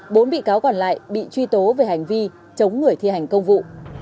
bốn bị cáo còn lại bị truy tố về hành vi chống người thi hành công vụ